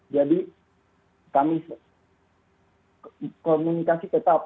jadi kami komunikasi tetap